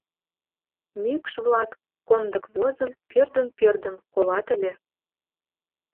Мӱкш-влак, комдык возын, пӧрдын-пӧрдын, колат ыле.